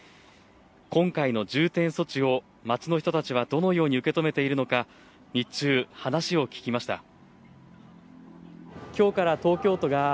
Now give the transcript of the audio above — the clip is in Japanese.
今回の重点措置を街の人たちはどのように受け止めているのか、日中、話を聞きました。